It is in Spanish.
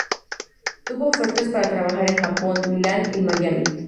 Tuvo ofertas para trabajar en Japón, Milán y Miami.